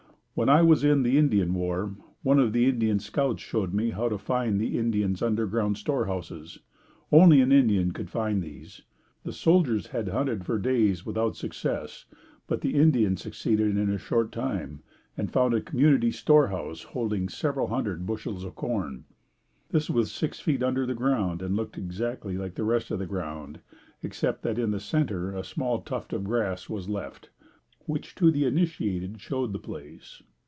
When I was in the Indian war, one of the Indian scouts showed me how to find the Indians' underground store houses. Only an Indian could find these. The soldiers had hunted for days without success, but the Indian succeeded in a short time and found a community store house holding several hundred bushels of corn. This was six feet under the ground and looked exactly like the rest of the ground except that in the center a small tuft of grass was left, which to the initiated showed the place.